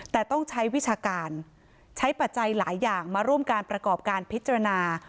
แต่ต้องใช้วิชาการใช้ปัจจัยหลายอย่างมาร่วมการประกอบการพิจารณา